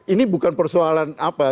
ini bukan persoalan apa